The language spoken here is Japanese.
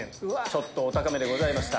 ちょっとお高めでございました。